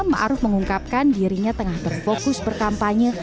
ma'ruf mengungkapkan dirinya tengah berfokus berkampanye